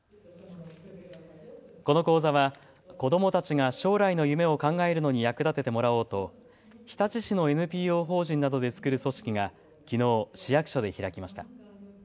この講座は子どもたちが将来の夢を考えるのに役立ててもらおうと日立市のＮＰＯ法人などで作る組織がきのう、市役所で開きました。